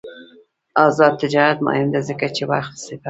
آزاد تجارت مهم دی ځکه چې وخت سپموي.